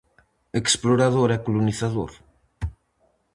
Explorador e colonizador.